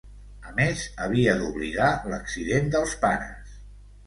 A més, havia d'oblidar l'accident dels pares.